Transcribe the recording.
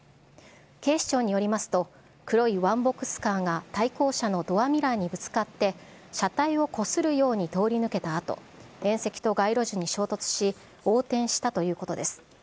警視庁によりますと、黒いワンボックスカーが対向車のドアミラーにぶつかって、車体をこするように通り抜けたあと、縁石と街路樹に衝突し、横転したということです。